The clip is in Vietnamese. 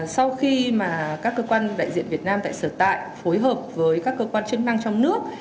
sau khi mà các cơ quan đại diện việt nam tại sở tại phối hợp với các cơ quan chức năng trong nước